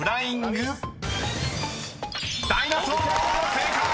［正解！